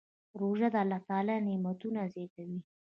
روژه د الله نعمتونه زیاتوي.